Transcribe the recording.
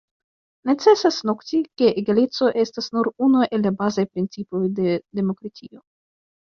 Necesas noti, ke egaleco estas nur unu el la bazaj principoj de demokratio.